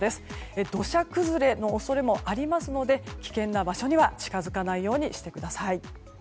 土砂崩れの恐れもありますので危険な場所には近づかないようにしてください。